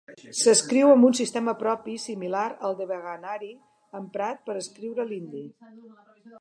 S'escriu amb un sistema propi similar al devanagari emprat per escriure l'hindi.